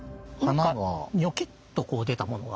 ニョキッとこう出たものが。